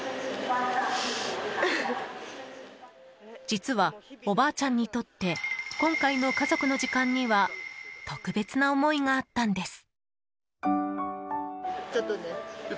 実は、おばあちゃんにとって今回の家族の時間には特別な思いがあったんです。